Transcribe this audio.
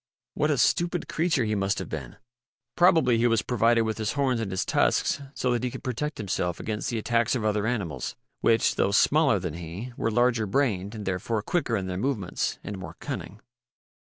What a stupid creature he must have been ! Probably he was provided with his horns and his tusks so that he could protect himself against the attacks of other animals, which, though smaller than he, were larger brained and therefore quicker in their movements, and, more cunning.